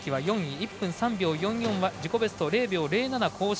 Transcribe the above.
１分３秒４４は自己ベストを０秒０７更新。